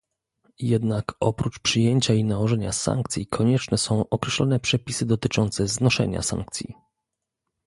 Jednak oprócz przyjęcia i nałożenia sankcji konieczne są określone przepisy dotyczące znoszenia sankcji